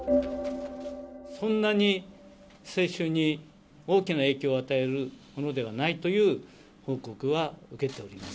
そんなに接種に大きな影響を与えるものではないという報告は受けております。